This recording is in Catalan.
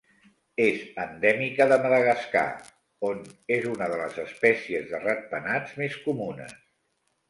És endèmica de Madagascar, on és una de les espècies de ratpenats més comunes.